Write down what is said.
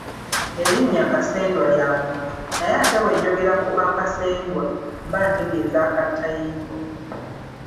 Elinnya Kasendwa lya muntu, naye ate bwe njogera ku Akasendwa mba ntegeeza akkatayimbwa.